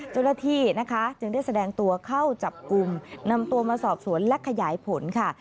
เจ้าหน้าที่นะคะจึงได้แสดงตัวเข้าจับกลุ่มนำตัวมาสอบสวนและขยายผลค่ะ